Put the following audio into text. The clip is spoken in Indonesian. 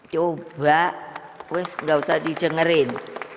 coba weh gak usah dijengerin